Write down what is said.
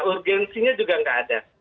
urgensinya juga nggak ada